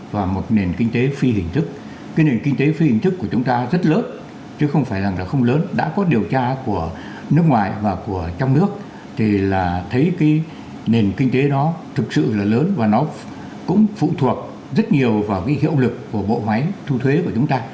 và một nền kinh tế phi hình thức cái nền kinh tế phi hình thức của chúng ta rất lớn chứ không phải là không lớn đã có điều tra của nước ngoài và của trong nước thì là thấy cái nền kinh tế đó thực sự là lớn và nó cũng phụ thuộc rất nhiều vào cái hiệu lực của bộ máy thu thuế của chúng ta